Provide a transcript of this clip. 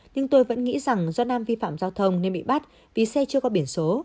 nhưng tôi vẫn nghĩ rằng do nam vi phạm giao thông nên bị bắt vì xe chưa có biển số